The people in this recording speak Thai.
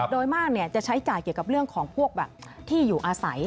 โดยมากจะใช้จ่ายเกี่ยวกับเรื่องของพวกแบบที่อยู่อาศัย